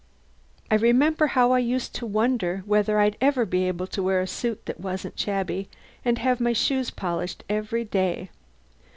I remember how I used to wonder whether I'd ever be able to wear a suit that wasn't shabby and have my shoes polished every day.